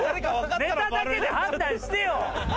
ネタだけで判断してよ！